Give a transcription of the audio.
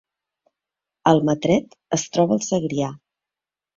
Almatret es troba al Segrià